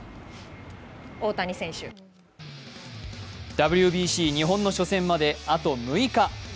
ＷＢＣ日本の初戦まであと６日。